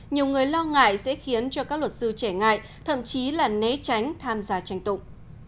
nhiều người lo ngại sẽ khiến cho các luật sư trẻ ngại thậm chí là né tránh tham gia tranh tụng